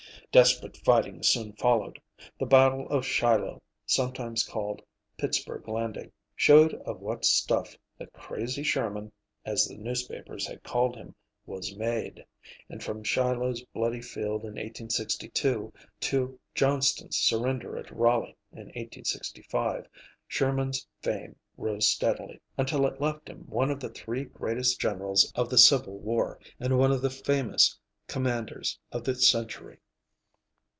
Desperate fighting soon followed. The battle of Shiloh (sometimes called Pittsburg Landing) showed of what stuff the "crazy Sherman," as the newspapers had called him, was made, and from Shiloh's bloody field in 1862, to Johnston's surrender at Raleigh in 1865, Sherman's fame rose steadily, until it left him one of the three greatest generals of the Civil War, and one of the famous commanders of the century.